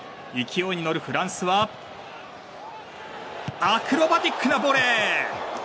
勢いに乗るフランスはアクロバティックなボレー！